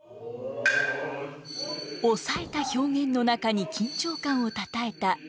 抑えた表現の中に緊張感をたたえた「能」。